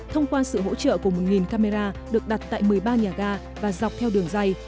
thông qua sự hỗ trợ của một camera được đặt tại một mươi ba nhà ga và dọc theo đường dây